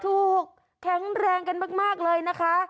แข็งแรงกันมากเลยนะคะ